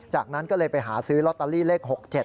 จากนั้นก็เลยไปหาซื้อลอตเตอรี่เลข๖๗